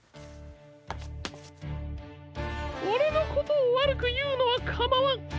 オレのことをわるくいうのはかまわん。